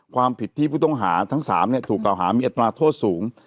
ความผิดที่ผู้ต้องหาทั้งสามเนี้ยถูกกล่าวหามีอัตราโทษสูง